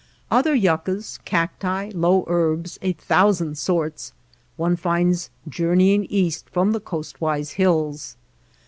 Other yuc cas, cacti, low herbs, a thousand sorts, one finds journeying east from the coastwise hills.